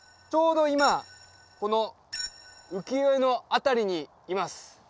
ちょうど今この浮世絵の辺りにいます